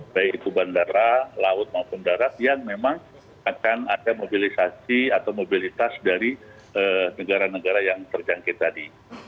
baik itu bandara laut maupun darat yang memang akan ada mobilisasi atau mobilitas dari negara negara yang terjangkit tadi